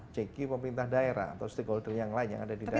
cq pemerintah daerah atau stakeholder yang lain yang ada di daerah